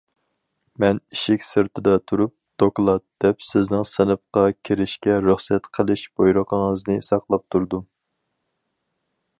مەن ئىشىك سىرتىدا تۇرۇپ،‹‹ دوكلات›› دەپ، سىزنىڭ سىنىپقا كىرىشكە رۇخسەت قىلىش بۇيرۇقىڭىزنى ساقلاپ تۇردۇم.